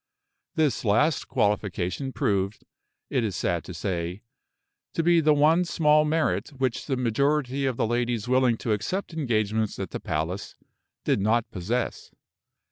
This last qualification proved, it is sad to say, to be the one small merit which the majority of the ladies willing to accept engagements at the palace did not possess.